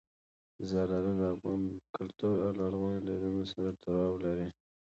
زردالو د افغان کلتور او لرغونو دودونو سره تړاو لري.